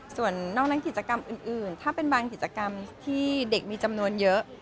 ส่วนนอกนั้นกิจกรรมอื่นถ้าเป็นบางกิจกรรมที่เด็กมีจำนวนเยอะ